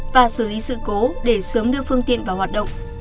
và xử lý sự cố để sớm đưa phương tiện vào hoạt động